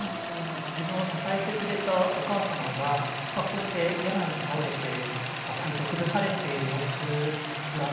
自分を支えてくれたお母様がこうして病に倒れて体調崩されている様子ご覧になった時って。